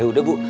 eh udah bu